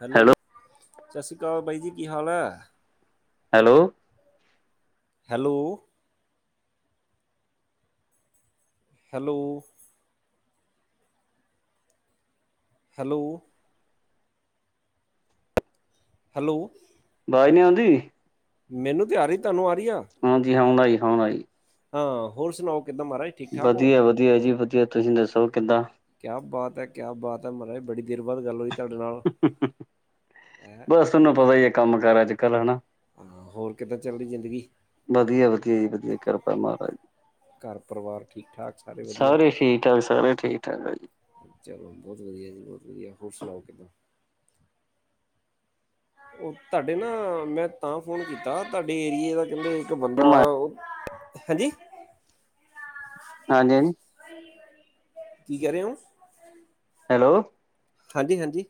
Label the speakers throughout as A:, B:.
A: Hello ਸਤਿ ਸ਼੍ਰੀ ਕਾਲ ਬਾਈ ਜੀ ਕੀ ਹਾਲ ਐ
B: hello
A: hello hello hello hello
B: ਵਾਜ ਨਯੀ ਆਉਂਦੀ।
A: ਮੈਨੂੰ ਤੇ ਆ ਰਹੀ ਤਾਂਨੂੰ ਆ ਰਹੀ ਆ।
B: ਹਾਂਜੀ ਹਾਂ ਆਈ ਹੋਨ ਆ ਗਈ
A: ਆਹੋ ਹਾਂ ਹੋਰ ਸੁਨਾਓ ਕਿੱਦਾਂ ਮਹਾਰਾਜ ਠੀਕ ਠਾਕ ਹੋ
B: ਵਧੀਆ ਵਧੀਆ ਜੀ ਵਧੀਆ ਤੁਸੀਂ ਦੱਸੋ ਕਿੱਦਾਂ
A: ਕਿਆ ਬਾਤ ਐ ਕਿਆ ਬਾਤ ਐ ਮਹਾਰਾਜ ਬੜੀ ਦੇਰ ਬਾਅਦ ਗੱਲ ਹੋਈ। ਤੁਹਾਡੇ ਨਾਲ
B: ਬਸ ਤੈਨੂੰ ਪਤਾ ਈ ਐ ਕੰਮ ਕਾਰ ਅੱਜ ਕੱਲ ਹਨਾ।
A: ਹਾਂ ਹੋਰ ਕਿੱਦਾਂ ਚੱਲ ਰਹੀ ਜ਼ਿੰਦਗੀ
B: ਵਧੀਆ- ਵਧੀਆ ਜੀ ਵਧੀਆ ਕਿਰਪਾ ਮਹਾਰਾਜ ਦੀ।
A: ਘਰ ਪਰਿਵਾਰ ਠੀਕ ਠਾਕ ਵਧੀਆ
B: ਸਾਰੇ ਠੀਕ- ਠਾਕ ਸਾਰੇ ਠੀਕ- ਠਾਕ ਆ ਜੀ।
A: ਚਲੋ ਵਧੀਆ ਜੀ ਵਧੀਆ ਹੋਰ ਸੁਨਾਓ ਕਿੱਦਾਂ? ਓਹ ਤੁਹਾਡੇ ਨਾ ਮੈਂ ਤਾਂ ਫੋਨ ਕੀਤਾ ਤੁਹਾਡੇ ਏਰੀਏ ਦਾ ਕਹਿੰਦੇ ਇੱਕ ਬੰਦਾ
B: ਹਾਂਜੀ
A: ਓ ਹੈਂਜੀ?
B: [unintelligible]
A: ਕੀ ਕਹਿ ਰਹੇ ਓ?
B: ਹੈਲੋ
A: ਹਾਂਜੀ- ਹਾਂਜੀ,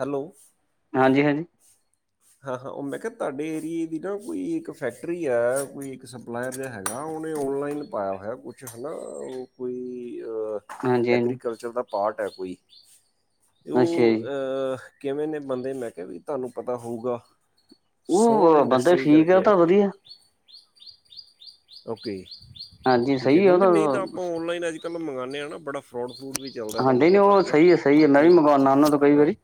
A: ਹੈਲੋ।
B: ਹਾਂਜੀ-ਹਾਂਜੀ।
A: ਹਾਂ- ਹਾਂ ਉਹ ਮੈਂ ਕਿਹਾ ਤਾਡੇ ਏਰੀਏ ਦੀ ਨਾ ਕੋਈ ਇੱਕ ਫੈਕਟਰੀ ਐ ਕੋਈ ਇੱਕ ਸ [unintelligible] ਤੇ ਹੈਗਾ ਓਨੇ ਔਨਲਾਈਨ ਪਾਇਆ ਹੋਇਆ ਕੁਛ ਹਨਾ ਓ ਕੋਈ
B: ਹਾਂਜੀ ਹਾਂਜੀ
A: ਐਗਰੀਕਲਚਰ ਦਾ ਪਾਰਟ ਐ ਕੋਈ ਤੇ ਓ
B: ਅੱਛਾ ਜੀ
A: ਅਹ ਕਿਵੇਂ ਨੇ ਬੰਦੇ ਮੈਂ ਕਿਹਾ ਵੀ ਤੁਹਾਨੂੰ ਪਤਾ ਹੋਊਗਾ ਸੋਹਨ
B: ਉਹ ਬੰਦਾ
A: ਇੰਡਸਟਰੀ
B: ਠੀਕ ਆ
A: ਕਰਕੇ ਐ
B: ਤਾਂ
A: ਕੋਈ
B: ਵਧੀਆ
A: ਓਕੇ,
B: ਹਾਂਜੀ
A: ਠੀਕ ਐ
B: ਸਹੀ ਆ ਉਹ
A: ਕਿਉਂਕਿ ਨਈ ਤਾਂ ਆਪਾਂ ਔਨਲਾਈਨ ਅੱਜ ਕੱਲ੍ਹ ਮੰਗਾਨੇ ਆ ਨਾ ਬੜਾ ਫਰੋਡ ਫਰੂਡ ਵੀ ਚੱਲਦਾ
B: ਹਾਂਜੀ
A: ਤੁਹਾਨੂੰ
B: ਨਹੀਂ
A: ਪਤਾ
B: ਉਹ
A: ਹਨਾ
B: ਸਹੀ ਹੈ ਸਹੀ ਹੈ ਮੈਂ ਵੀ
A: ਲੋਕੀ
B: ਮੰਗਵਾਉਦਾ ਉਹਨਾਂ ਤੋਂ ਕਈ
A: ਅਮ
B: ਵਾਰੀ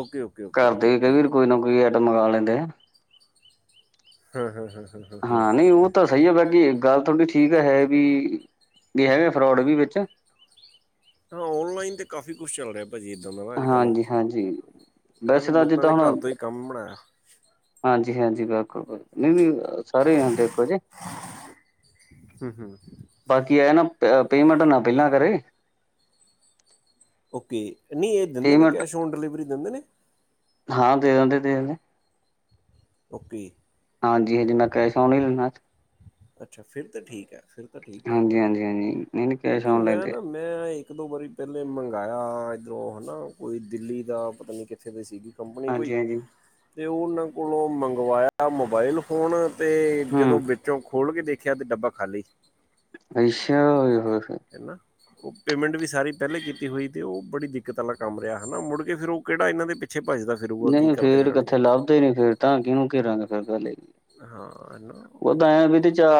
A: ਓਕੇ ਓ
B: ਘਰਦੇ ਵੀ ਕਈ ਵਾਰ ਕੋਈ ਨਾ ਕੋਈ ਐਟਮ ਮੰਗਾ ਲੈਂਦੇ ਨੇ
A: ਹਂ-ਹਂ -ਹਂ -ਹ
B: ਹਾਂ
A: -ਹ
B: ਨਹੀਂ ਉਹ ਤਾਂ ਸਹੀ ਐ ਬਾਕੀ ਗੱਲ ਤੁਹਾਡੀ ਠੀਕ ਹੈ ਵੀ ਵੀ ਹੈਗੇ ਫਰੋਡ ਵੀ ਵਿੱਚ
A: ਔਨਲਾਈਨ ਤੇ ਕਾਫ਼ੀ ਕੁਛ ਚੱਲ ਰਿਆ ਭਾਜੀ ਇੱਦਾਂ ਦਾ ਨਾ ਅੱਜ ਕੱਲ੍ਹ
B: ਹਾਂਜੀ ਹਾਂਜੀ
A: ਐਵੇਂ
B: ਵੈਸੇ ਤਾਂ
A: ਲੋਕਾਂ
B: ਜਿੱਦਾਂ
A: ਨੇ ਘਰ
B: ਹੁਣ
A: ਤੋਂ ਹੀ ਕੰਮ ਬਣਾਇਆ
B: ਹਾਂਜੀ- ਹਾਂਜੀ, ਬਿਲਕੁਲ- ਬਿਲਕੁਲ ਨਈ ਨਈ ਸਾਰੇ ਨੀ ਹੁੰਦੇ ਇੱਕੋ ਜੇ
A: ਹੂੰ ਹੂੰ
B: ਬਾਕੀ ਐਂ ਨਾ ਅ ਪੇਮੈਂਟ ਨਾ ਪਹਿਲਾਂ ਕਰੇ
A: ਓਕੇ, ਨਹੀਂ ਇਹ ਦਿੰਦੇ ਨੇ
B: ਪੇਮੈਂਟ
A: ਕੈਸ਼ ਔਨ ਡਿਲੀਵਰੀ ਦਿੰਦੇ ਨੇ?
B: ਹਾਂ ਦੇ ਦੰਦੇ, ਦੇ ਦੰਦੇ।
A: ਓਕੇ
B: ਹਾਂਜੀ- ਹਾਂਜੀ ਮੈ ਕੈਸ਼ ਆੱਨ ਈ ਦਿੱਨਾ।
A: ਅੱਛਾ, ਫਿਰ ਤੇ ਠੀਕ ਐ ਫਿਰ ਤੇ ਠੀਕ ਐ
B: ਹਾਂਜੀ
A: ਹਨਾ,
B: ਹਾਂਜੀ ਹਾਂਜੀ ਨਹੀਂ ਨਹੀਂ ਕੈਸ਼
A: ਕਿਉਂਕਿ
B: ਔਨ
A: ਮੈਂ
B: ਲੈਂਦੇ ਆ।
A: ਨਾ ਮੈਂ ਇੱਕ ਦੋ ਵਾਰੀ ਪਹਿਲੇ ਮੰਗਾਇਆ ਇੱਧਰੋਂ ਹਨਾ ਕੋਈ ਦਿੱਲੀ ਦਾ ਪਤਾ ਨੀ ਕਿ ਇੱਥੇ ਦੀ ਸੀਗੀ ਕੰਪਨੀ ਕੋਈ
B: ਹਾਂਜੀ ਹਾਂਜੀ
A: ਤੇ ਉਹਨਾਂ ਕੋਲੋਂ ਮੰਗਵਾਇਆ ਮੋਬਾਇਲ। ਫੋਨ ਤੇ ਜਦੋਂ
B: ਹੂੰ
A: ਵਿੱਚੋਂ ਖੋਲ ਕੇ ਦੇਖਿਆ ਤੇ ਡੱਬਾ ਖਾਲੀ।
B: ਅੱਛਾ [unintelligible]
A: ਹੈਨਾ। ਉਹ ਪੇਮੈਂਟ ਵੀ ਸਾਰੀ ਪਹਿਲੇ ਕੀਤੀ ਹੋਈ, ਤੇ ਉਹ ਬੜੀ ਦਿੱਕਤ ਵਾਲਾ ਕੰਮ ਰਿਹਾ ਹਨਾ ਮੁੜ ਕੇ ਫਿਰ ਉਹ ਕਿਹੜਾ ਇਹਨਾਂ ਦੇ ਪਿ ਛੇ ਭੱਜਦਾ ਫਿਰੇ।
B: ਨਹੀਂ ਫੇਰ ਕਿੱਥੇ ਲੱਭਦੇ ਨੇ ਫੇਰ। ਤਾਂ ਕਿਹਨੂੰ ਘੇਰਾਂਗੇ ਫਿਰ ਗੱਲ
A: ਹਾਂ ਹੈ ਨਾ
B: [unintelligible] ਤਾ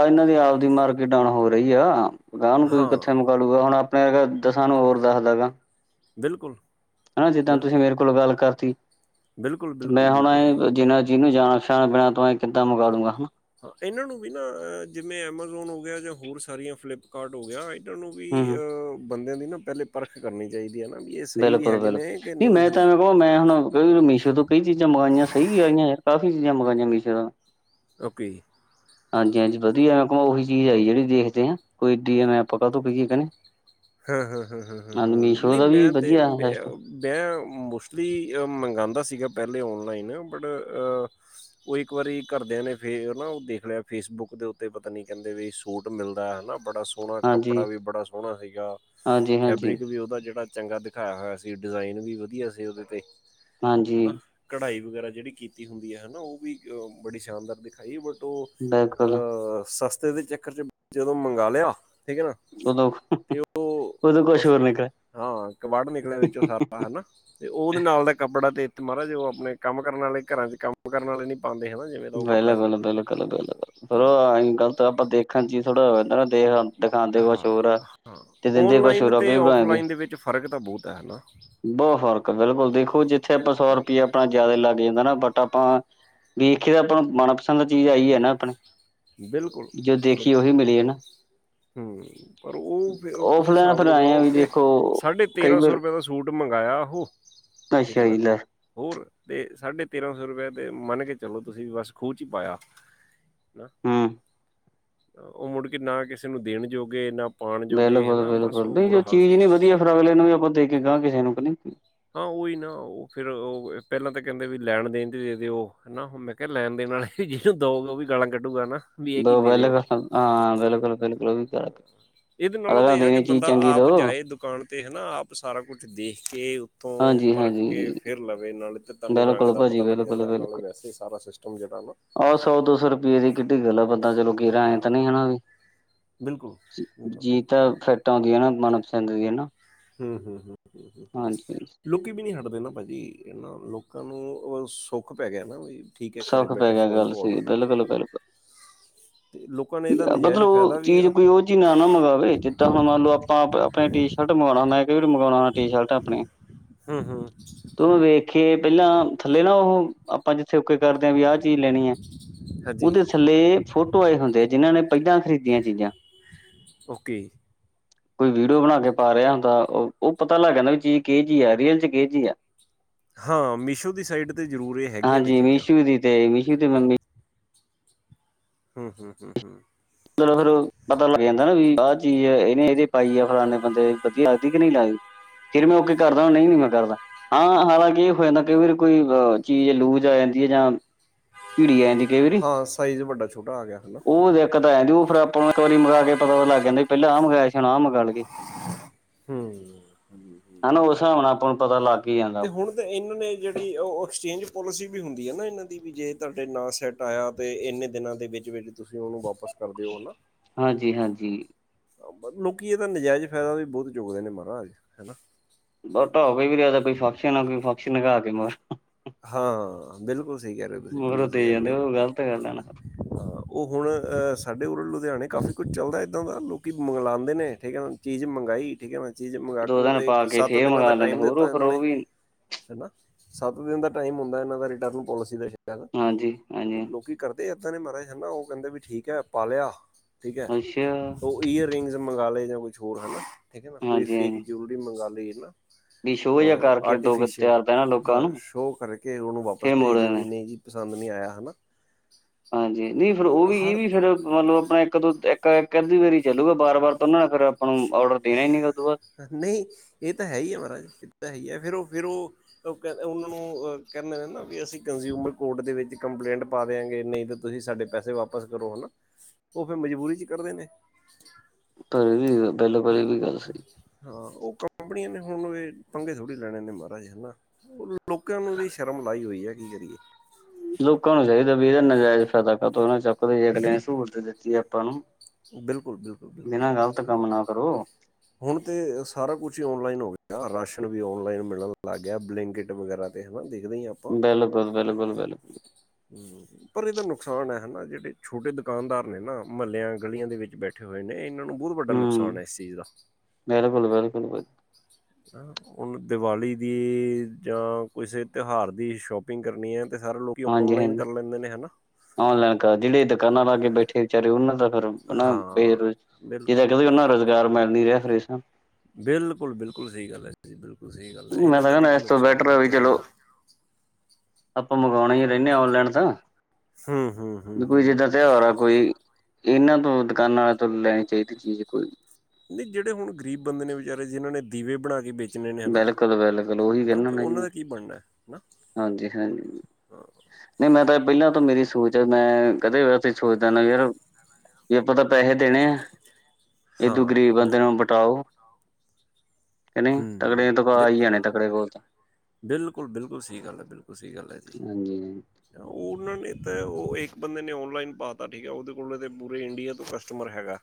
B: ਇਹਨਾਂ ਦੀ ਆਵਦੀ ਮਾਰਕੀਟ ਡੋਨ ਹੋ ਰਹੀ ਆ
A: ਹਾਂ
B: [unintelligible] ਹੁਣ ਆਪਣੇ ਦਸਾਂ ਨੂੰ ਹੋਰ ਦੱਸਦਾ ਗਾ।
A: ਬਿਲਕੁਲ।
B: ਹਨਾ ਜਿੱਦਾਂ ਤੁਸੀਂ
A: ਬਿਲਕੁਲ
B: ਮੇਰੇ ਕੋਲ ਗੱਲ ਕਰਤੀ
A: ਬਿਲਕੁਲ
B: ਤੇ ਮੈ
A: ਬਿਲਕੁਲ ਬਿਲਕੁਲ ਜੀ
B: [unintelligible] ਜਿੰਨਾ ਜਿਹਨੂੰ ਜਾਣ ਪਛਾਣ ਬਿਨਾ ਤੋਂ ਆਏ ਕਿੱਦਾਂ ਮੰਗਾ ਦੂੰਗਾ ਹੂੰ।
A: ਹਾਂ ਇਹਨਾਂ ਨੂੰ ਵੀ ਨਾ ਜਿਵੇਂ ਐਮਾਜ਼ੋਨ ਹੋ ਗਿਆ, ਜਾਂ ਹੋਰ ਸਾਰੀਆਂ ਫਲਿੱਪਕਾਰਟ ਹੋ ਗਿਆ ਇਹਨਾ ਨੂੰ ਵੀ
B: ਹੂੰ ਹੂੰ
A: ਅਹ ਬੰਦਿਆਂ ਦੀ ਨਾ ਪਹਿਲੇ ਪਰਖ ਕਰਨੀ ਚਾਹੀਦੀ ਐ ਨਾ ਵੀ ਇਹ ਸਹੀ ਵੀ
B: ਬਿਲਕਲ
A: ਹੈਗੇ
B: ਬਿਲਕਲ
A: ਨੇ ਕਿ
B: ਨਹੀਂ ਮੇ
A: ਹੈ ਨਾ
B: ਤਾਂ ਮੈਂ ਹੁਣ ਮੀਸ਼ੋ ਤੋਂ ਕਈ ਚੀਜ਼ਾਂ ਮੰਗਵਾਈਆਂ, ਸਹੀ ਵੀ ਆ ਰਹੀਆਂ ਯਾਰ ਕਫ਼ੀ ਚੀਜ਼ਾਂ ਮੰਗਵਾਈਆਂ ਮੀਸ਼ੋ ਤੋਂ
A: ਓਕੇ।
B: ਹਾਂਜੀ ਹਾਂਜੀ ਵਧੀਆ ਮ ਉਹੀ ਚੀਜ਼ ਆਈ ਜਿਹੜੀ ਦੇਖਦੇ ਆਾਂ ਕੋਈ ਇ ਆ ਮੈਂ ਆਪਾਂ ਕ ਕਹਿੰਦੇ [unintelligible]
A: ਹਾਂ ਹਾਂ ਹਾਂ ਹਾਂ ਹਾਂ ਹਾਂ ਨਹੀਂ
B: ਦਾ ਵੀ
A: ਮੈਂ ਤੇ
B: ਵਧੀਆ ਸਿਸਟਮ।
A: ਮੈਂ ਮੋਸਟਲੀ ਮੰਗਵਾਦਾ ਸੀਗਾ ਪਹਿਲੇ ਔਨਲਾਈਨ ਬਟ ਉਹ ਇੱਕ ਵਾਰੀ ਘਰਦਿਆਂ ਨੇ ਫੇ ਨਾ ਉਹ ਦੇਖ ਲਿਆ ਫੇਸਬੁੱਕ ਦੇ ਉੱਤੇ, ਪਤਾ ਨੀ ਕਹਿੰਦੇ ਵੀ ਸੂਟ ਮਿਲਦਾ ਹੈਨਾ। ਬੜਾ ਸੋਹਣਾ
B: ਹਾਂਜੀ
A: ਕੱਪੜਾ ਵੀ ਬੜਾ ਸੋਹਣਾ ਸੁਗਾ
B: ਹਾਂਜੀ ਹਾਂਜੀ
A: ਫੈਬਰਿਕ ਵੀ ਉਹਦਾ ਜਿਹੜਾ ਚੰਗਾ ਦਿਖਾਇਆ ਹੋਇਆ ਸੀ, ਡਿਜ਼ਾਇਨ ਵੀ ਵਧੀਆ ਸੀ ਉਹਦੇ ਤੇ
B: ਹਾਂਜੀ।
A: ਹਨਾ ਕਢਾਈ ਵਗੈਰਾ ਜਿਹੜੀ ਕੀਤੀ ਹੁੰਦੀ ਹੈ ਨਾ ਉਹ ਵੀ ਬੜੀ ਸ਼ਾਨਦਾਰ ਦਿਖਾਈ ਬਟ
B: ਬਿਲਕੁਲ
A: ਉਹ ਸਸਤੇ ਦੇ ਚੱਕਰ ਚ ਜਦੋਂ ਮੰਗਵਾ ਲਿਆ ਠੀਕ ਏ ਨਾ
B: ਉਹਦ
A: ਤੇ
B: [unintelligible]
A: ਉਹ ਬਸ ਹਾਂ ਕ ਵੜ ਨਿਕਲਿਆ ਵਿੱਚੋਂ ਸਾਰਾ ਹਨਾ। ਤੇ ਉਹਦੇ ਨਾਲ ਦਾ ਕੱਪੜਾ ਤੇ ਇੱਥੇ ਮਹਾਰਾਜ ਉਹ ਆਪਣੇ ਕੰਮ ਕਰਨ ਵਾਲੇ ਘਰਾਂ ਚ ਕੰਮ ਕਰਨ ਵਾਲੇ ਨੀ ਪਾਦੇ ਹੈਨਾ।
B: ਬਿਲ ਵੁਲ ਬਿਲਕੁਲ ਬਿਲਕੁਲ ਫਿਰੋ ਅਸੀਂ ਗਲਤ ਆਪਾਂ ਦੇਖਣ ਚੀ ਥੋੜਾਹਦਾ ਨਾ ਦੇਖਣ।
A: ਹਾਂ ਹਾਂ
B: ਕੁਛ
A: ਔਨਲਾਈਨ
B: ਹੋਰ ਆ
A: ਅਤੇ
B: ਕਈ ਵਾਰ ਐਵੇਂ
A: ਔਫਲਾਈਨ ਦੇ ਵਿੱਚ ਫ਼ਰਕ ਤਾਂ ਬਹੁਤ ਹੈ ਨਾ।
B: ਬਹੁਤ ਫ਼ਰਕ ਬਿਲਕੁਲ ਦੇਖੋ ਜਿੱਥੇ ਆਪਾਂ ਸੌ ਰੁਪਇਆ ਆਪਣਾ ਜਿਆਦਾ ਲੱਗ ਜਾਂਦਾ ਨਾ ਬਟ ਆਪਾਂ ਤੇ ਆਪਾਂ ਮਨਪਸੰਦ ਚੀਜ਼ ਆਈ ਏ ਨਾ ਆਪਣੇ
A: ਬਿਲਕੁਲ
B: ਜੋ ਦੇਖੀਏ
A: ਬਿਲਕੁਲ
B: ਉਹੀ ਮਿਲੀ ਏ ਨਾ
A: ਪਰ ਉਹ ਫਿਰ ਤੁਸੀਂ
B: ਔਫਲਾਈਨ
A: ਹਿਸਾਬ
B: ਫਿਰ ਆਏ ਆ
A: ਲਗਾਓ
B: ਵੀ
A: ਕਿ
B: ਦੇਖੋ
A: ਸਾਢੇ
B: ਕਈ
A: ਤੇਰ੍ਹਾਂ ਸੌ
B: ਵਾਰ
A: ਰੁਪਏ ਦਾ ਸੂ ਸੂਟ ਮੰਗਾਇਆ ਉਹ ਠੀਕ
B: ਅੱਛਾ
A: ਹੈ ਨਾ
B: ਹੀਲ [unintelligible]
A: ਹੋਰ ਤੇ ਸਾਢੇ ਤੇਰਾਂ ਸੌ ਰੁਪਇ ਤੇ ਮੰਨ ਕੇ ਚਲੋ ਤੁਸੀਂ ਬਸ ਖੂਹ ਚ ਹੀ ਪਾਇਆ। ਨਾ
B: ਹੂੰ।
A: ਉਹ ਮੁੜ ਕੇ ਨਾ ਕਿਸੇ ਨੂੰ ਦੇਣ ਜੋਗੇ ਨਾ ਪਾਉਣ ਜੋਗੇ ਹੈਨਾ ਬਸ ਉਹ ਬੁਰਾ ਹਾਲ ਸੀਗਾ।
B: ਫੇਰ ਅਗਲੇ ਨੂੰ ਵੀ ਆਪਾਂ ਦੇ ਕੇ ਗਹਾਂ ਕਿਸੇ ਨੂੰ ਅਪਨੀ
A: ਹਾਂ ਉਹੀ ਨਾ ਉਹ ਫੇਿਰ ਉਹ ਪਹਿਲਾਂ ਤਾਂ ਕਹਿੰਦੇ ਵੀ ਲੈਣ ਦੇਣ ਤੇ ਦੇ ਦਿ ਉਹ ਹੈਨਾ ਨਾ ਮ ਲੈਣ ਦੇਣ ਵਾਲੇ ਜਿਹਨੂੰ ਦੋੋ ਵੀ ਗਾਲਾਂ ਕੱਢੂਗਾ ਨਾ ਵੀ ਇਹ ਕੀ
B: ਦੋ
A: ਦੇ ਰਹੇ
B: ਵਹਿਲੇ
A: ਹੋ
B: ਹਾਂ ਬਿਲਕੁਲ ਬਿਲਕੁਲ ਉਹ ਵੀ ਕਰ
A: ਇਹਦੇ ਨਾਲੋਂ ਤਾਂ
B: ਅਗਲਾ
A: ਇਹ ਆ ਕਿ
B: ਦੇਣੀ ਚੀਜ਼
A: ਬੰਦਾ
B: ਚੰਗੀ ਦੋ
A: ਆਪ ਜਾਏ ਦੁ ਦੁਕਾਨ ਤੇ ਹੈਨਾ ਆਪ ਸਾਰਾ ਕੁਛ ਦੇਖ ਕੇ ਉੱਤੋਂ ਪਰਖ
B: ਹਾਂਜੀ-ਹਾਂਜੀ
A: ਕੇ ਫੇਰ ਲਵੇ ਤੁਹਾਨੂੰ ਰੰਗ
B: ਬਿਲਕੁਲ
A: ਦਾ
B: ਭਾਜੀ
A: ਪਤਾ ਲੱਗ ਜਾਂਦਾ ਇਹ ਨਾਲ
B: ਬਿਲਕੁਲ-ਬਿਲਕੁਲ
A: ਵੈਸੇ ਹੀ ਸਾਰਾ ਸਿਸਟਮ ਜਿਹੜਾ ਨਾ
B: ਵੀ ਇਹਦੀ ਕਿੱਡੀ ਗੱਲ ਆ ਪਤਾ ਚਲੋ ਕਿਰ ਐਂ ਤਾਂ ਨ ਨਹੀਂ ਹੈਨਾ ਵੀ
A: [unintelligible] ਬਿਲਕੁਲ ਬਿਲਕੁਲ
B: ਜੀ
A: ਬਿਲਕੁਲ
B: ਤਾਂ ਫਿੱਟ ਆਉਂਦੀ ਹੈ ਨਾ ਮਨਪਸੰਦ ਦੀਆਂ ਨਾ
A: ਹੂੰਮ ਹੂੰਮ ਹੂੰਮ ਲੋਕੀ ਵੀ ਨਹੀਂ ਹਟਦੇ ਨਾ ਭਾਅ ਜੀ ਇਹ ਨਾ ਲੋਕਾਂ ਨੂੰ ਸੁੱਖ ਪੈ ਗਿਆ ਨਾ ਵੀ ਠੀਕ ਹੈ ਘਰ
B: ਸੌਖ ਪੈ
A: ਬੈਠੇ
B: ਗਿਆ
A: ਫੋਨ
B: ਗੱਲ
A: ਤੋਂ
B: ਸਹੀ
A: ਔਡਰ ਕਰ ਲਓ ਨਾ
B: ਬਿਲਕੁਲ-ਬਿਲਕੁਲ
A: ਅਤੇ ਲੋਕਾਂ ਨੇ ਇਹਦਾ ਨਜਾਇਜ਼
B: ਮਤਲਬ
A: ਫਾਇਦਾ ਵੀ
B: ਚੀਜ਼
A: ਇਹਦਾ
B: ਕੋਈ ਉਹ ਚੀਜ਼ ਨਾ ਮੰਗਵਾਵੇ ਜਿੱਦਾਂ ਹੁਣ ਮੰਨ ਲਓ ਆਪਾਂ ਆਪਣੇ ਟੀ ਸ਼ਰਟ ਮੰਗਵਾਉਣਾ ਮੈਂ ਕ ਨੂੰ ਮੰਗਵਾਉਣਾ। ਟੀ ਸ਼ਰਟ ਆਪਣੇ
A: ਹੂੰਮ-ਹੂੰਮ
B: ਤੂੰਨੂੰ ਵੇਖ ਕੇ ਪਹਿਲਾਂ ਥੱਲੇ ਨਾ ਉਹ ਆਪਾਂ ਜਿੱਥੇ ਓਕੇ ਕਰਦੇ ਹਾਂ ਵੀ ਆਹ ਚੀਜ਼ ਲੈਣੀ ਹੈ
A: ਹਾਂਜੀ
B: ਉਹਦੇ ਥੱਲੇ ਫੋਟੋ ਆਏ ਹੁੰਦੇ ਆ। ਜਿਨ੍ਹਾਂ ਨੇ ਪਹਿਲਾਂ ਖਰੀਦੀਆਂ ਚੀਜ਼ਾਂ
A: [inaudible]
B: ਕੋਈ ਵੀਡੀਓ ਬਣਾ ਕੇ ਪਾ ਰਿਹਾ ਹੁੰਦਾ ਉਹ ਉਹ ਪਤਾ ਲੱਗ ਜਾਂਦਾ ਵੀ ਚੀਜ਼ ਕਿਹੇ ਜੀ ਰੀਅਲ ਚ ਕਿ ਚੀਹੀ ਆ।
A: ਹਾਂ ਮੀਸ਼ੋ ਦੀ ਸਾਈਟ 'ਤੇ ਜ਼ਰੂਰ ਇਹ ਹੈਗੀਆਂ ਨੇ
B: ਹਾਂਜੀ
A: ਚੀਜ਼ਾਂ
B: ਮੀਸ਼ੂ ਦੀ ਤੇ ਮੀਸੋ ਤੇ ਮੰਮੀ
A: ਹੂੰਮ ਹੂੰਮ ਹੂੰਮ ਹੂੰਮ
B: ਚਲੋ ਫਿਰ ਪਤਾ ਲੱਗ ਜਾਂਦਾ ਨਾ ਵੀ ਆਹ ਚੀਜ਼। ਇਹਨੇ ਇਹਦੇ ਪਾਈ ਆ ਫਲਾਨੇ ਬੰਦੇ ਵਧੀਆ ਲੱਗਦੀ ਕਿ ਨਹੀਂ ਲੱਗਦੀ। ਫਿਰ ਮੈਂ ਉਹਕੇ ਕਰਦਾ ਨਹੀਂ ਨੀ ਮੈਂ ਕਰਦਾ। ਹਾਂ ਹਾਲਾਂਕਿ, ‌ਇਹ ਹੋ ਜਾਂਦਾ ਕਈ ਵਾਰੀ ਕੋਈ ਚੀਜ਼ ਲੂਜ ਆ ਜਾਂਦੀ ਹੈ ਜਾਂ ਭੀੜੀ ਆ ਜਾਂਦੀ। ਕਈ ਵਾਰੀ
A: ਹਾਂ ਸਾਈਜ਼ ਵੱਡਾ, ਛੋਟਾ ਆ ਗਿਆ ਹਨਾ।
B: ਤਾਂ ਫਿਰ ਆਪਾਂ ਨੂੰ ਇੱਕ ਵਾਰੀ ਮਲਾ ਕੇ ਪਤਾ ਲੱਗ ਜਾਂਦਾ, ਪਹਿਲਾਂ ਆਹ ਮੰਗਵਾਆ ਸੀ। ਹੁਣ ਆਹ ਮੰਗਾ ਲਈਏ। [unintelligible]
A: ਹੂੰਮ ਹੂੰਮ
B: ਹਨਾ ਉਸ ਹਿਸਾਬ ਨਾਲ ਆਪਾਂ ਨੂੰ ਪਤਾ ਲੱਗ ਹੀ ਜਾਂਦਾ।
A: ਹੁਣ ਤੇ ਤਾਂ ਇਹਨਾਂ ਨੇ ਜਿਹੜੀ ਉਹ ਐਕਸਚੇਂਜ ਪੋਲਿਸੀ ਵੀ ਹੁੰਦੀ ਹੈ, ਨਾ ਇਹਨਾਂ ਵੀ ਜੇ ਤੁਹਾਡੇ ਨ ਸੈੱਟ ਘਟਾਇਆ ਤੇ ਇੰਨੇ ਦਿਨਾਂ ਦੇ ਵਿੱਚ-ਵਿਚ ਤੁਸੀਂ ਉਹਨੂੰ ਵਾਪਸ ਕਰ ਦਿਓ ਹਨਾ।
B: ਹਾਂਜੀ ਹਾਂਜੀ
A: ਲੋਕੀ ਇਹ ਤਾਂ ਨਾਜਾਇਜ਼ ਫਾਇਦਾ ਵੀ ਬਹੁਤ ਚੁੱਕਦੇ ਨੇ ਮਹਾਰਾਜ ਹਨਾ।
B: ਬਟਾ ਕਈ ਵੀ ਰਿਹਾਦਾ ਕੋਈ ਫੰਕਸ਼ਨ ਆਈ ਫਕਸ਼ਨ ਕ ਕੇ ਮ [unintelligible]
A: ਹਾਂ ਬਿਲਕੁਲ ਸਹੀ ਕਹਿ ਰਹੇ ਤੁਸੀਂ
B: ਮਗਰੋਂ
A: ਬਿਲਕੁਲ ਸਹੀ
B: ਦੇ ਜਾਂਦੇ
A: ਰਹੇ ਹ।
B: ਉਹ ਗ਼ਲਤ ਗੱਲ ਆ ਨਾ
A: ਹਾਂ, ਉਹ ਹੁਣ ਸਾਡੇ ਉਰ ਲੁਧਿਆਣੇ ਕਾਫੀ ਕੁਝ ਚੱਲਦਾ ਇੱਦਾਂ ਦਾ ਲੋਕ ਮੰਗਲਾਦੇ ਨੇ ਠੀਕ ਹੈ ਨਾ। ਚੀਜ਼ ਮੰਗਵਾਈ ਠੀਕ ਨਾ। ਚੀਜ਼
B: ਦੋ ਦਿਨ
A: ਕੇ
B: ਪਾ ਕੇ
A: ਸੱਤ
B: ਫੇਰ
A: ਦਿਨਾਂ ਦਾ
B: ਮੰਗਵਾ ਲੈਂਦੇ
A: ਟਾਈਮ
B: ਹੋਰ
A: ਦਿੱਤਾ
B: ਉਹ ਫਿਰ
A: ਇਹਨਾਂ ਨੇ
B: ਉਹ ਵੀ
A: ਹਨਾ ਸੱਤ ਦਿਨ ਦਾ ਟਾਈਮ ਹੁੰਦਾ ਇਹਨਾਂ ਦਾ ਰਿਟਰਨ ਪੋਲਿਸੀ ਦਾ ਸ਼ਾਇਦ
B: ਹਾਂਜੀ
A: ਤੇ
B: ਹਾਂਜੀ
A: ਲੋਕੀ, ਕਰਦੇ ਇੱਦਾਂ ਮਹਰਾਜ ਕਹਿੰਦੇ ਵੀ ਠੀਕ ਪਾ ਲਿਆ। ਠੀਕ ਏ।
B: ਅੱਛਾ
A: ਈਅਰਿੰਗਜ਼ ਮੰਗਵਾ ਲਏ ਜਾਂ ਕੁਛ ਹੋਰ ਹੈ ਨਾ ਠੀਕ ਹੈ ਨਾ ਕੋਈ
B: ਹਾਂਜੀ
A: ਫੇਕ
B: ਹਾਂਜੀ
A: ਜੁੂਲਰੀ ਮੰਗਵਾ ਲਈ ਨਾ
B: ਵੀ ਸ਼ੋਅ ਜਿਹਾ
A: ਹਾਂ
B: ਕਰਕੇ ਦੋ ਕੁ
A: ਆਰਟੀਫਿਸ਼ਲ
B: ਚਾਰ ਦਿਨਾਂ ਲੋਕਾਂ
A: ਬਸ
B: ਨੂੰ
A: ਸ਼ੋਅ ਕਰਕੇ ਉਹਨੂੰ ਵਾਪਸ
B: ਫੇਰ ਮੋੜ
A: ਭੇਜ ਦਿਓ
B: ਦਿੰਦੇ
A: ਵੀ ਨਹੀਂ ਜੀ ਪਸੰਦ ਨਹੀਂ ਆਇਆ ਹਨਾ।
B: ਹਾਂਜੀ ਨਹੀਂ ਫਿਰ ਉਹ ਵੀ ਇਹ ਵੀ ਫਿਰ ਮਤਲਬ ਆਪਣਾ ਇੱਕ ਤੋਂ ਇੱਕ ਕ ਅਧੀ ਵਾਰੀ ਚੱਲੂਗਾ ਬਾਰ ਵਾਰ ਤਾਂ ਉਹਨਾਂ ਨੇ ਫਿਰ ਆਪਾਂ ਨੂੰ ਔਡਰ ਦੇਣਾ ਹੀ ਨੀ ਉਦੋਂ ਬਾਅਦ
A: ਨਹੀਂ ਇਹ ਤਾਂ ਹੈ ਹੀ ਹੈ ਮਹਾਰਾਜ ਇਹ ਤਾਂ ਹੈ ਹੀ ਹੈ ਫਿਰ ਉਹ ਫਿਰ ਉਹ, ਉਹ ਕਹ ਉਹਨਾਂ ਨੂੰ ਕਹਿੰਦੇ ਨੇ ਨਾ ਵੀ ਅਸੀਂ ਕੰਜ਼ਿਊਮਰ ਕੋਰਟ ਦੇ ਵਿੱਚ ਕੰਪਲੇਂਟ ਪਾ ਦਿਆਂਗੇ ਨਹੀਂ ਤੁਸੀਂ ਸਾਡੇ ਪੈਸੇ ਵਾਪਸ ਕਰੋ ਹੈ ਨਾ, ਉਹ ਫਿਰ ਮਜ਼ਬੂਰੀ 'ਚ ਕਰਦੇ ਨੇ
B: [unintelligible]
A: ਜੀ
B: ਵੀ ਗੱਲ ਸਹੀ
A: ਹਾਂ ਉਹ ਕੰਪਨੀਆਂ ਨੇ ਹੁਣ ਇਹ ਪੰਗੇ ਥੋੜੀ ਲੈਣੇ ਨੇ ਮਹਾਰਾਜ ਹਨਾ। ਲੋਕਾਂ ਨੂੰ ਵੀ ਸ਼ਰਮ ਲਾਈ ਹੋਈ ਏ, ਕੀ ਕਰੀਏ।
B: ਲੋਕਾਂ ਨੂੰ ਚਾਹੀਦਾ ਵੀ ਇਹਦਾ ਨਾਜਾਇਜ਼ ਫਾਇਦਾ ਕਾਤੋ ਨਾ ਚੱਕੋ ਵੇਖਦੇ ਹ ਸਹੂਲਤ ਦਿੱਤੀ ਹੈ ਆਪਾਂ ਨੂੰ।
A: ਬਿਲਕੁਲ, ਬਿਲਕੁਲ,
B: ਬਿਨਾਂ ਗ਼ਲਤ
A: ਬਿਲਕੁਲ।
B: ਕੰਮ ਨਾ ਕਰੋ
A: ਹੁਣ ਤੇ ਸਾਰਾ ਕੁਛ ਔਨਲਾਈਨ ਹੋ ਗਿਆ। ਰਾਸ਼ਨ ਵੀ ਔਨਲਾਈਨ ਮਿਲਣ ਲੱਗ ਗਿਆ, ਬਲੈਂਕਟ ਵਗੈਰਾ। ਹਨਾ ਦੇਖਦੇ ਹੀ ਆਪ-
B: ਬਿਲਕੁਲ, ਬਿਲਕੁਲ, ਬਿਲਕੁਲ।
A: ਪਰ ਇਹਦਾ ਨੁਕਸਾਨ ਹਨਾ। ਜਿਹੜੇ ਛੋਟੇ ਦੁਕਾਨਦਾਰ ਨੇ ਨਾ ਮਹੱਲਿਆਂ, ਗਲੀਆਂ ਦੇ ਵਿੱਚ ਬੈ ਇਕੱਠੇ ਹੋਏ ਨੇ। ਇਹਨਾਂ ਨੂੰ ਵੱਡਾ
B: ਹੂੰ
A: ਨੁਕਸਾਨ ਹੈ ਚੀਜ਼ ਦਾ।
B: ਬਿਲਕੁਲ, ਬਿਲਕੁਲ।
A: ਚ [inaudible] ਹੁਣ ਦੀਵਾਲੀ ਦੀ ਜਾਂ ਕਿਸੇ ਤਿਉਹਾਰ ਦੀ ਸ਼ੋਪਿੰਗ ਕਰਨੀ ਹੈ ਤੇ ਸਾਰੇ ਲੋਕ
B: ਹਾਂਜੀ-ਹਾਂਜੀ। ਔਨਲਾਈਨ ਕਰ ਜਿਹੜੇ ਦੁਕਾਨਾਂ ਲਾ ਕੇ ਬੈਠੇ ਵਿਚਾਰੇ ਉਹਨਾਂ ਦਾ ਹਨ
A: ਹਾਂ
B: ਬੇਰੁਜ਼ ਜਿੱਦਾਂ
A: ਬਿਲਕੁਲ
B: ਕਦੇਓਨਾ ਰੁਜ਼ਗਾਰ ਮਿਲ ਨ ਰਿਹਾ ਫਿਰ
A: ਬਿਲਕੁਲ-ਬਿਲਕੁਲ ਸਹੀ ਗੱਲ ਏ। ਬਿਲਕੁਲ ਸਹੀ ਗੱਲ ਏ।
B: ਮੈਂ
A: ਇਹਨਾਂ
B: ਤਾਂ
A: ਦਾ ਵੀ
B: ਕਹਿੰਦਾ
A: ਤੇ
B: ਇਸ ਤੋਂ
A: ਨੁਕਸਾਨ ਇਹਨਾ
B: ਬੈਟਰ ਵੀ
A: ਵਿਚਾਰਿਆਂ
B: ਚਲੋ
A: ਦਾ।
B: ਆਪਾਂ ਮੰਗਵਾਉਣਾ ਹੀ ਰਹਿੰਦੇ ਹਾਂ ਔਨਲਾਈਨ
A: ਹੂੰ ਹੂੰ ਹੂੰ
B: ਤਾਂ। ਕੋਈ
A: ਹੂੰ
B: ਜਿੱਦਾਂ ਤਿਉਹਾਰ ਆ ਕੋਈ ਇਹਨਾਂ ਤੋਂ ਦੁਕਾਨਾਂ ਵਾਲੇ ਤੋਂ ਲੈਣੀ ਚਾਹੀਦੀ ਚੀਜ਼ ਕੋਈ।
A: ਨਹੀਂ ਜਿਹੜੇ ਹੁਣ ਗਰੀਬ ਬੰਦੇ ਨੇ ਵਿਚਾਰੇ ਜਿਨ੍ਹਾਂ ਨੇ ਦੀਵੇ ਬਣਾ ਕੇ ਵੇਚ ਵੇਚਣੇ ਨੇ
B: ਬਿਲਕੁਲ-ਬਿਲਕੁਲ ਉਹੀ
A: ਹਨਾ-ਹਨਾ
B: ਕਹਿੰਦਾ
A: ਤੇ
B: ਮੈਂ
A: ਉਹਨਾਂ
B: ਜੀ
A: ਦਾ ਕੀ ਬਣਨਾ ਹੈ ਹਨਾ। [inaudible]
B: ਹਾਂਜੀ-ਹਾਂਜੀ ਮੈਂ ਤਾਂ ਪਹਿਲਾਂ ਤੋਂ ਮੇਰੀ ਸੋਚ ਆ ਮੈਂ ਕਦੇ ਵੈਸੇ ਸੋਚਦਾ ਹੁਨਾ ਯਾਰ ਜੇ ਆਪਾਂ ਤਾ ਪੈਸੇ ਦੇਣੇ ਆ। ਇਹਦੋ
A: ਹਾਂ,
B: ਗਰੀਬ ਬੰਦੇ
A: ਬਿਲਕੁਲ
B: ਨੂੰ ਬਿਟਾਓ ਕਿ ਨਹੀਂ ਤਕੜੇ ਤੋਂ ਆ ਹੀ ਜਾਣੇ ਤਕੜੇ ਕੋਲ ਤਾਂ
A: ਬਿਲਕੁਲ-ਬਿਲਕੁਲ ਸਹੀ ਗੱਲ ਐ ਬਿਲਕੁਲ ਸਹੀ ਗੱਲ ਐ ਜੀ।
B: ਹਾਂਜੀ
A: ਉਹਨਾਂ ਨੇ ਤਾਂ ਉਹ ਇੱਕ ਬੰਦੇ ਨੇ ਓਨਲਾਈਨ ਪਾ ਤਾ ਠੀਕ ਐ। ਉਹਦੇ ਕੋਲ ਤੇ ਪੂਰੇ ਇੰਡੀਆ ਤੋਂ ਕਸਟਮਰ ਹੈਗਾ।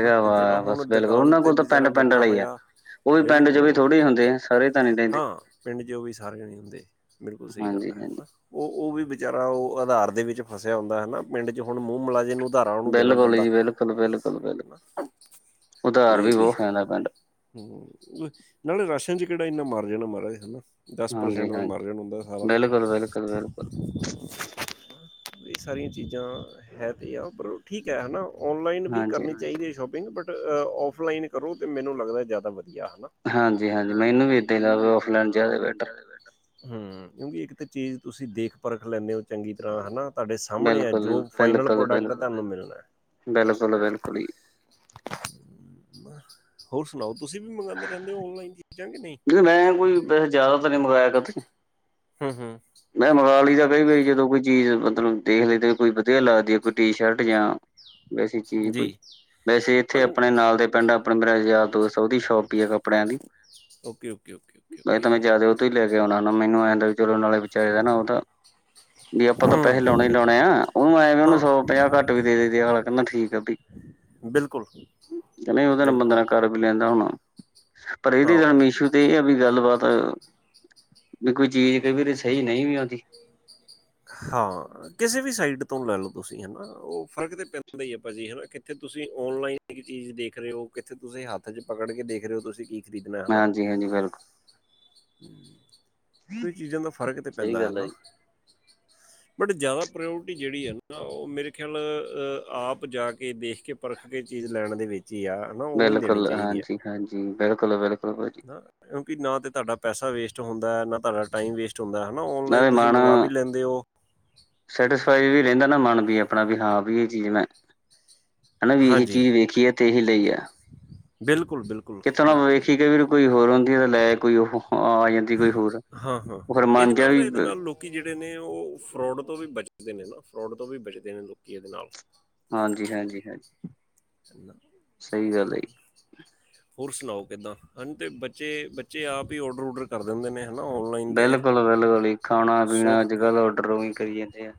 A: ਹਨਾ ਤੇ ਜਿਹੜਾ
B: ਵਾ
A: ਹੁਣ
B: ਬਸ ਬਿਲਕੁਲ
A: ਦੁਕਾਨ
B: ਉਹਨਾਂ
A: ਤੇ
B: ਕੋਲ ਤਾਂ
A: ਬਚਾਰਾ
B: ਪਿੰਡ-ਪਿੰਡ
A: ਬੈਠਾ
B: ਵਾਲੇ ਹੀ ਆ।
A: ਹੋਇਆ
B: ਉਹ ਵੀ ਪਿੰਡ 'ਚ
A: ਬਿਲਕੁਲ,
B: ਵੀ
A: ਉਹ
B: ਥੋੜ੍ਹੀ ਹੁੰਦੇ ਆ ਸਾਰੇ ਤਾਂ ਨਹੀਂ ਰਹਿੰਦੇ
A: ਹਾਂ ਪਿੰਡ ਚ ਉਹ ਵੀ ਸਾਰੇ ਨਹੀਂ ਹੁੰਦੇ ਬਿਲਕੁਲ ਸਹੀ ਗੱਲ
B: ਹਾਂਜੀ-ਹਾਂਜੀ।
A: ਆ। ਉਹ-ਉਹ ਵੀ ਵਿਚਾਰਾ ਉਹ ਆਧਾਰ ਦੇ ਵਿੱਚ ਫਸਿਆ ਹੁੰਦਾ ਹਨਾ। ਪਿੰਡ ਚ ਹੁਣ ਮੂੰਹ ਮੁਲਾਹਜੇ ਨੂੰ ਆਧਾਰ
B: ਬਿਲਕੁਲ ਜੀ ਬਿਲਕੁਲ, ਬਿਲਕੁਲ, ਬਿਲਕੁਲ, ਉਧਾਰ ਵੀ ਬਹੁਤ ਸੈਨਾ ਪੈਂਦਾ।
A: ਹਮ ਨਾਲੇ ਰਾਸ਼ਨ ਚ ਕਿਹੜਾ ਇੰਨਾ ਮਰ ਜਾਣਾ ਮਹਾਰਾਜ ਹਨਾ। ਦਸ ਪਰਸੈਂਟ ਦਾ
B: ਹਾਂਜੀ-ਹਾਂਜੀ।
A: ਮਾਰਜਨ ਹੁੰਦਾ ਸਾਰਾ।
B: ਬਿਲਕੁਲ-ਬਿਲਕੁਲ, ਬਿਲਕੁਲ ਬਿਲਕੁਲ ਬਿਲਕੁਲ
A: ਇਹ ਸਾਰੀਆਂ ਚੀਜ਼ਾਂ ਹੈ ਤੇ ਆ ਪਰ ਉਹ ਠੀਕ ਹੈ ਨਾ ਔਨਲਾਈਨ ਵੀ
B: ਹਾਂਜੀ,
A: ਕਰਨੀ ਚਾਹੀਦੀ ਐ ਸ਼ੋਪਿੰਗ, ਬਟ ਔਫਲਾਈਨ ਕਰੋ ਤਾਂ ਮੈਨੂੰ ਲੱਗਦਾ ਜ਼ਿਆਦਾ ਵਧੀਆ ਨਾ
B: ਹਾਂਜੀ-ਹਾਂਜੀ ਮੈਨੂੰ ਇੱਦਾਂ ਹੀ ਲੱਗਦਾ ਔਫਲਾਈਨ ਜ਼ਿਆਦਾ ਬੈਟਰ।
A: ਹਮ ਓਵੀ ਇੱਕ ਤਾਂ ਚੀਜ਼ ਤੁਸੀਂ ਦੇਖ ਪਰਖ ਲੈਂਨੇ ਹੋ ਚੰਗੀ ਤਰ੍ਹਾਂ ਹਨਾ। ਤੁਹਾਡੇ ਸਾਹਮਣੇ
B: ਬਿਲਕੁਲ,
A: ਅੱਜ ਫਾਈਨਲ
B: ਬਿਲਕੁਲ,
A: ਪ੍ਰੋਡਕਟ
B: ਬਿਲਕੁਲ,
A: ਤਾਨੂੰ ਮਿਲਣਾ।
B: ਬਿਲਕੁਲ, ਬਿਲਕੁਲ ਜੀ।
A: ਹੋਰ ਸੁਣਾਓ ਤੁਸੀਂ ਵੀ ਮੰਗਾਂਦੇ ਰਹਿੰਦੇ ਓਨਲਾਈਨ ਚੀਜ਼ਾਂ ਕੇ ਨਹੀਂ।
B: ਮੈਂ ਕੋਈ ਵੈਸੇ ਜ਼ਿਆਦਾ ਤਾਂ ਨਹੀਂ ਮੰਗਾਇਆ ਕਦੀ
A: ਹਮ।
B: ਮੈਂ ਮੰਗਗਾ ਲਈਦਾ ਕਈ ਵਾਰੀ ਜਦੋਂ ਕੋਈ ਚੀਜ਼ ਮਤਲਬ ਦੇਖ ਲਈ ਤੇ ਕੋਈ ਵਧੀਆ ਲੱਗਦੀ ਆ। ਕੋਈ ਟੀ ਸ਼ਰਟ ਜਾਂ ਵੈਸੇ ਚੀਜ਼ ਕੁਝ
A: ਜੀ
B: ਵੈਸੇ ਇੱਥੇ ਆਪਣੇ ਨਾਲ ਦੇ ਪਿੰਡ ਆਪਣੇ ਮੇਰਾ ਯਾਰ ਦੋਸਤ ਉਹਦੀ ਸ਼ੋਪ ਪੀ ਆ।
A: Okay, okay, okay, okay, okay.
B: ਤੂਈ ਲੈ ਕੇ ਆਣਾ ਨਾ ਮੈਨੂੰ ਐਂਦਾ ਵੀ ਚਲੋ ਨਾਲੇ ਵਿਚਾਰੇ ਦਾ ਨਾ ਉਹ ਤਾਂ ਵੀ ਆਪਾਂ ਤਾਂ ਪੈਸੇ
A: ਹੂੰ
B: ਲਾਓਣੇ-ਲਾਓਣੇ ਆ। ਓਨੂੰ ਐ ਹੋ ਗਿਆ ਸੌ
A: ਹਾਂ
B: ਪੰਜਾਹ ਘੱਟ ਵੀ ਦੇ ਦਈ ਦੇ ਆ। ਅਗਲਾ ਕੈਂਦਾ ਠੀਕ ਆ ਬਿ ਨਾਲ ਬੰਦਾ
A: ਬਿਲਕੁਲ-ਬਿਲਕੁਲ।
B: ਨਾਲ ਕਰ ਲੈਂਦਾ ਹੁਣ ਪਰ ਏਦੇ ਜਨ ਮੇਸ਼ੂ ਤੇ ਏ ਆ ਵੀ ਗੱਲਬਾਤ ਵੀ ਕੋਈ ਚੀਜ਼ ਕਈ ਵਾਰੀ ਸਈ ਨਈ ਵੀ ਆਓਂਦੀ।
A: ਹਾਂ ਕਿਸੇ ਵੀ ਸਾਈਟ ਤੋਂ ਲੈ ਲੋ ਤੁਸੀਂ ਹੈਨਾ ਓ ਫ਼ਰਕ ਤੇ ਪੈਂਦਾ ਈ ਏ ਪਾਜੀ ਹੈਨਾ ਕਿੱਥੇ ਤੁਸੀਂ ਔਨਲਾਈਨ ਚੀਜ਼ ਦੇਖ ਰੇ ਓ। ਕਿੱਥੇ ਤੁਸੀਂ ਹੱਥ ਚ ਪਕੜ ਕੇ ਦੇਖ ਰੇ ਓ ਤੁਸੀਂ ਕੀ ਖ਼ਰੀਦਣਾ ਹੈਨਾ।
B: ਹਾਂਜੀ ਹਾਂਜੀ ਬਿਲਕੁਲ
A: ਕਈ ਚੀਜ਼ਾਂ ਦਾ ਫਰਕ ਤੇ
B: ਸਹੀ
A: ਪੈਂਦਾ
B: ਗੱਲ ਹੈ
A: ਹੈਨਾ।
B: ਜੀ
A: ਬਟ ਜ਼ਿਆਦਾ ਪ੍ਰੋਇਓਟੀ ਜੇੜੀ ਐ ਨਾ ਓ ਮੇਰੇ ਖਿਆਲ ਆਪ ਜਾ ਕੇ ਦੇਖਕੇ ਪਰਖ ਕੇ ਚੀਜ਼ ਲੈਣ ਦੇ ਵਿੱਚ ਈ ਆ ਨਾ ਓਵੇਂ ਦੇਣੀ ਚਾਇਦੀ ਐ।
B: ਬਿਲਕੁਲ-ਬਿਲਕੁਲ।
A: ਨਾ ਕਿਉਂਕਿ ਨਾ ਤੇ ਤਾਡਾ ਪੈਸਾ ਵੇਸਟ ਹੁੰਦਾ ਨਾ ਤਾਡਾ ਟਾਈਮ ਵੇਸਟ ਹੁੰਦਾ ਹੈਨਾ
B: ਨਾਲੇ
A: ਔਨਲਾਈਨ ਤੁਸੀਂ
B: ਮਨ
A: ਮੰਗਾ ਵੀ ਲੈਂਦੇ ਓ
B: ਸੈਟਿਸਫਾਈ ਵੀ ਰੇਂਦਾ ਨਾ ਮਨ ਵੀ ਆਪਣਾ ਵੀ ਹਾਂ ਵੀ ਏ ਚੀਜ਼ ਮੈਂ ਹੈਨਾ ਵੀ ਏਹੀ ਚੀਜ਼ ਵੇਖੀ ਐ ਤੇ ਏਹੀ ਲਈ ਐ।
A: ਬਿਲਕੁਲ-ਬਿਲਕੁ
B: ਕਿੱਥੋਂ ਨਾ ਵੇਖੀ ਕਈ ਵਾਰੀ ਹੋਰ ਹੁੰਦੀ ਐ ਤੇ ਲੈ ਕੋਈ ਓਹ ਹਾਂ ਆ ਜਾਂਦੀ ਕੋਈ ਹੋਰ
A: ਹਾਂ ਹਾਂ
B: ਓ
A: ਹਾਂ
B: ਫੇਰ ਮਨ
A: ਇਹਦੇ
B: ਜੇਆ
A: ਨਾਲ ਨਾ
B: ਵੀ
A: ਇਹਦੇ ਨਾਲ ਲੋਕੀ ਜੇੜੇ ਨੇ ਓ ਫਰੋਡ ਤੋਂ ਵੀ ਬਚਦੇ ਨੇ ਨਾ ਫਰੋਡ ਤੋਂ ਵੀ ਬਚਦੇ ਨੇ ਲੋਕੀ ਏਦੇ ਨਾਲ।
B: ਹਾਂਜੀ-ਹਾਂਜੀ-ਹਾਂਜੀ।
A: ਚੰਗਾ-ਚੰਗਾ। ਹੋਰ ਸੁਣਾਓ ਕਿੱਦਾਂ ਹੁਣ ਤੇ ਬੱਚੇ-ਬੱਚੇ ਆਪ ਹੀ ਔਡਰ-ਊਡਰ ਕਰ ਦਿੰਦੇ ਨੇ। ਹੈਨਾ ਔਨਲਾਈਨ ਤੇ
B: ਬਿਲਕੁਲ,
A: ਹੋਰ ਸੌਖ ਪਈ ਏ।
B: ਡੀ ਡਰੋਇੰਗ ਕਰੀ ਜਾਂਦੇ ਐ।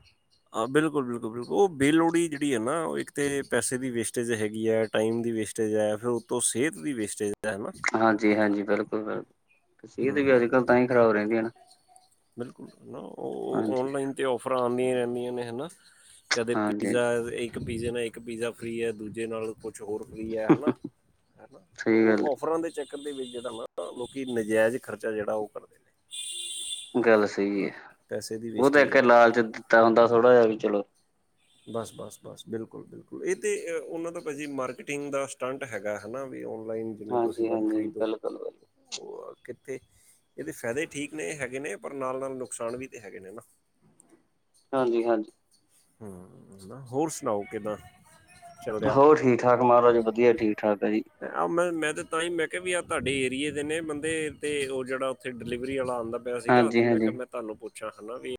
A: ਆ ਬਿਲਕੁਲ-ਬਿਲਕੁਲ-ਬਿਲਕੁਲ ਓ ਬੇਲੋੜੀ ਜੇੜੀ ਏ ਨਾ ਓ ਇੱਕ ਤੇ ਪੈਸੇ ਦੀ ਵੇਸਟੇਜ ਹੈਗੀ ਹੈ ਟਾਈਮ ਦੀ ਵੇਸਟ ਜ ਐ ਫਿਰ ਉੋਂਤੋ ਸੇਤ ਦੀ ਵੇਸਟੇਜ ਐ ਹੈਨਾ।
B: ਹਾਂਜੀ-ਹਾਂਜੀ, ਬਿਲਕੁਲ-ਬਿਲਕੁਲ।
A: ਹੂੰ-ਹੂੰ-ਹੂੰ
B: ਨਾ।
A: ਬਿਲਕੁਲ ਨਾ ਓ
B: ਹਾਂਜੀ,
A: ਔਨਲਾਈਨ ਤੇ ਔਫਰਾ ਆਣਗੇ ਐਨੀ ਨੇ ਹੈਨਾ ਕਦੇ
B: ਹਾਂਜੀ
A: ਪੀਜ਼ਾ ਤੇ ਏਕ ਪੀਜ਼ੇ ਨਾਲ ਇੱਕ ਪੀਜ਼ਾ ਫ੍ਰੀ ਐ ਦੂਜੇ ਨਾਲ ਕੁਛ ਹੋਰ ਹੈਨਾ-ਹੈਨਾ
B: ਸਹੀ
A: ਓ
B: ਗੱਲ
A: ਔਫਰਾਂ ਦੇ ਚੱਕਰ ਦੇ ਵਿੱਚ ਜੇੜਾ ਨਾ ਲੋਕੀ ਜਾਯਜ ਖਰਚਾ ਜੇੜਾ ਓ ਕਰਦੇ ਨੇ।
B: ਗੱਲ ਸਈ
A: ਹਨਾ
B: ਐ
A: ਪੈਸੇ ਦੀ
B: ਓ ਤਾਂ
A: ਵੇਸਟੇਜ
B: ਇੱਕ
A: ਜ਼ਿਆਦੇ ਆ
B: ਲਾਲਚ ਦਿੱਤਾ ਹੁੰਦਾ ਥੋੜਾ ਜੇਹਾ ਵੀ ਚਲੋ
A: ਬਸ-ਬਸ-ਬਸ, ਬਿਲਕੁਲ-ਬਿਲਕੁਲ ਏ ਤੇ ਓਨਾਂ ਦਾ ਪਾਜੀ ਮਾਰਕੀਟਿੰਗ ਦਾ ਸਟੰਟ ਹੈਗਾ ਹੈਨਾ ਵੀ ਔਨਲਾਈਨ ਜਿੰਨਾ ਤੁਸੀਂ
B: ਹਾਂਜੀ,
A: ਵੱਧ
B: ਹਾਂਜੀ
A: ਖਰੀਦੋ।
B: ਬਿਲਕੁਲ, ਬਿਲਕੁਲ।
A: ਓ ਕਿੱਥੇ ਏਦੇ ਫੈਦੇ ਠੀਕ ਨੇ ਹੈਗੇ ਨੇ ਪਰ ਨਾਲ-ਨਾਲ ਨੁਕਸਾਨ ਵੀ ਤਾਂ ਹੈਗੇ ਨੇ ਨਾ।
B: ਹਾਂਜੀ-ਹਾਂਜੀ।
A: ਹੂੰ ਹੋਰ ਸੁਣਾਓ ਕਿੱਦਾਂ? ਚੱਲ ਰਿਹਾ
B: ਹੋਰ ਠੀਕ-ਠਾਕ ਮਹਾਰਾਜ ਵਧੀਆ ਠੀਕ-ਠਾਕ ਐ ਜੀ।
A: ਆਹ ਮੈਂ ਮੈਂ ਤੇ ਤਾਂਈ ਮੈਂ ਕੇਆ ਵੀ ਆਹ ਤਾਡੇ ਏਰੀਏ ਦੇ ਨੇ ਬੰਦੇ ਅਤੇ ਓ ਜੇੜਾ ਓਥੇ ਡਿਲੀਵਰੀ ਵਾਲਾ ਆਂਦਾ ਪਯਾ ਸੀਗਾ ਤੇ
B: ਹਾਂਜੀ,
A: ਮੈਂ ਕੇਆ
B: ਹਾਂਜੀ।
A: ਮੈਂ ਤਾਨੂੰ ਪੁੱਛਾਂ ਹੈਨਾ ਵੀ